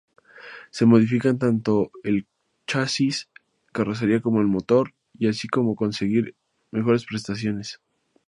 Se modifican tanto el chasis, carrocería como el motor y así conseguir mejores prestaciones.